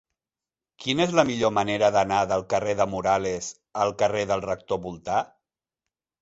Quina és la millor manera d'anar del carrer de Morales al carrer del Rector Voltà?